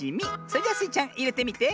それじゃスイちゃんいれてみて。